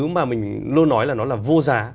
mà mình luôn nói là nó là vô giá